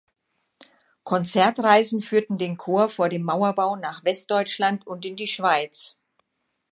Konzertreisen führten den Chor vor dem Mauerbau nach Westdeutschland und in die Schweiz.